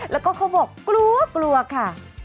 แล้วก็เขาบอกกลัวค่ะ